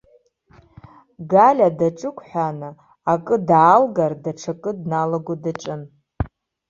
Галиа даҿыгәҳәааны, акы даалгар даҽакы дналаго даҿын.